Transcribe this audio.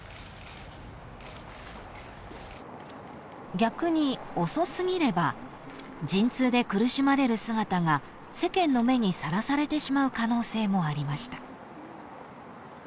［逆に遅過ぎれば陣痛で苦しまれる姿が世間の目にさらされてしまう可能性もありました］